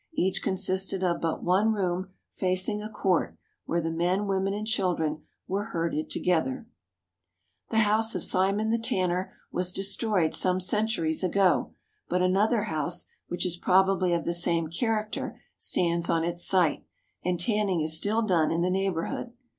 Each consisted of but one room facing a court where the men, women, and children were herded together. 19 THE HOLY LAND AND SYRIA The house of Simon the Tanner was destroyed some centuries ago, but another house, which is probably of the same character, stands on its site, and tanning is still done in the neighbourhood.